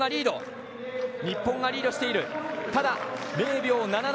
日本がリードしている０秒７７。